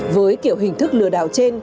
với kiểu hình thức lừa đảo trên